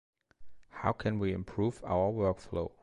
How can we improve our workflow?